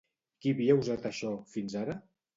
Qui havia usat això fins ara?